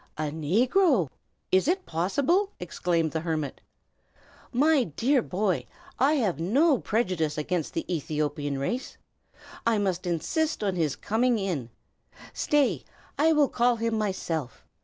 "A negro! is it possible?" exclaimed the hermit. "My dear boy, I have no prejudice against the Ethiopian race. I must insist on his coming in. Stay! I will call him myself.